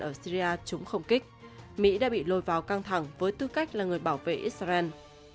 ở syria chúng không kích mỹ đã bị lôi vào căng thẳng với tư cách là người bảo vệ israel